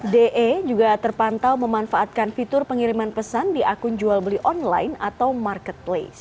de juga terpantau memanfaatkan fitur pengiriman pesan di akun jual beli online atau marketplace